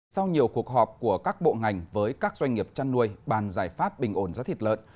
sau nhiều cuộc họp của các bộ ngành với các doanh nghiệp chăn nuôi bàn giải pháp bình ổn giá thịt lợn